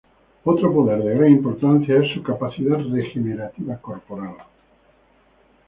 Otro poder de gran importancia es su capacidad re-generativa corporal.